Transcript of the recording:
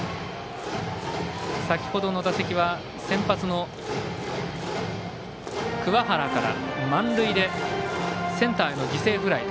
先ほどの打席は先発の桑原から満塁でセンターへの犠牲フライ。